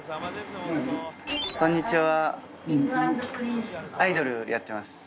こんにちは。